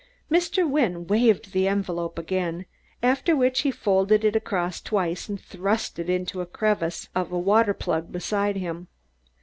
Mr. Wynne waved the envelope again, after which he folded it across twice and thrust it into a crevice of a water plug beside him.